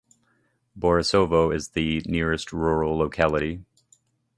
Borisovo is the nearest rural locality.